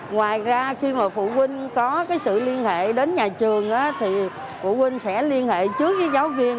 ngoài ra khi mà phụ huynh có cái sự liên hệ đến nhà trường thì phụ huynh sẽ liên hệ trước với giáo viên